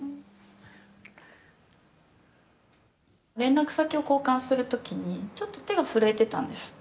連絡先を交換する時にちょっと手が震えてたんです。